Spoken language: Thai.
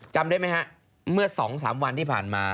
จำได้ไหมฮะเมื่อ๒๓วันที่ผ่านมา